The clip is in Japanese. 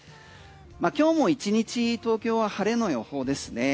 今日も１日東京は晴れの予報ですね。